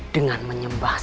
dengan menyembah setan